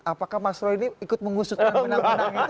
apakah mas roy ini ikut mengusutkan benang benang itu